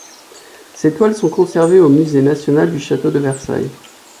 Ces toiles sont conservées au Musée national du Château de Versailles.